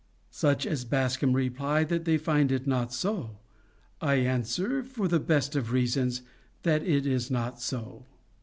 Such as Bascombe reply that they find it not so. I answer For the best of reasons, that it is not so.